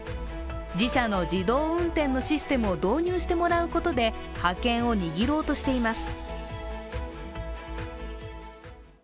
自社の自動運転のシステムを導入してもらうことで覇権を握ろうとしています。